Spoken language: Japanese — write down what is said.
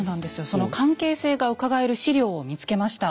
その関係性がうかがえる史料を見つけました。